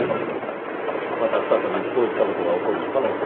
また再びこういった事が起こる可能性はある。